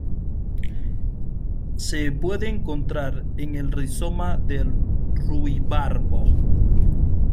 Se puede encontrar en el rizoma del ruibarbo.